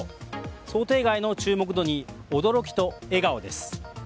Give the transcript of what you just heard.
想定外の注目度に驚きと笑顔です。